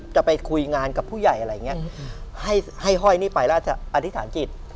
จะไปคุยงานกับผู้ใหญ่อะไรอย่างนี้ให้ให้ห้อยนี่ไปราชอธิษฐานจิต